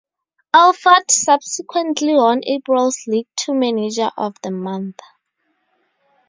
Awford subsequently won April's League Two Manager of the Month.